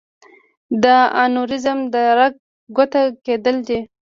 د انوریزم د رګ ګوټه کېدل دي.